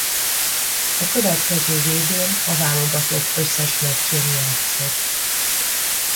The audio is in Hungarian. A következő vb-n a válogatott összes meccsén játszott.